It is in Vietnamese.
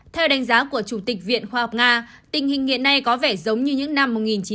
theo đánh giá của chủ tịch viện khoa học nga tình hình hiện nay có vẻ giống như những năm một nghìn chín trăm bảy mươi